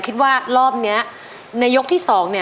คิดว่ารอบนี้ในยกที่สอง